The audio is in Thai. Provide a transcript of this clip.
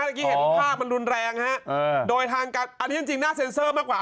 เมื่อกี้เห็นภาพมันรุนแรงฮะโดยทางการอันนี้จริงน่าเซ็นเซอร์มากกว่า